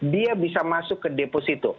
dia bisa masuk ke deposito